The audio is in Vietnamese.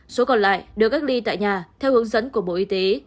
số còn lại được cách ly tại nhà theo hướng dẫn của bộ y tế